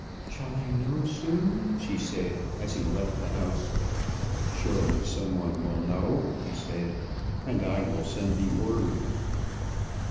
"Shall I know soon?" she said as he left the house. "Surely some one will know," he said; "and I will send thee word."